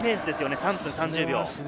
３分３０秒。